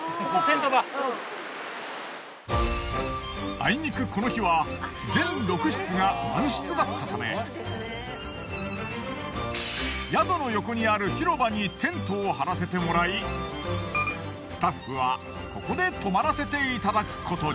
あいにくこの日は全６室が満室だったため宿の横にある広場にテントを張らせてもらいスタッフはここで泊まらせていただくことに。